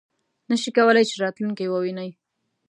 نه شي کولای چې راتلونکی وویني .